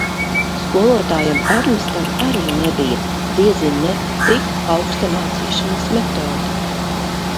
Skolotājam Ernestam arī nebija diezin cik augsta mācīšanas metode.